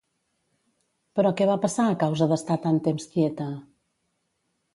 Però què va passar a causa d'estar tant temps quieta?